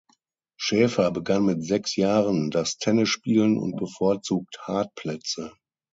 Schaefer begann mit sechs Jahren das Tennisspielen und bevorzugt Hartplätze.